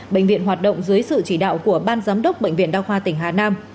bệnh viện hoạt động dưới sự chỉ đạo của ban giám đốc bệnh viện đa khoa tỉnh hà nam